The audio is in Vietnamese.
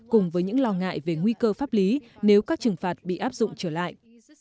cùng với những lo ngại về nguy cơ pháp lý nếu các trừng phạt bị áp dụng trở lại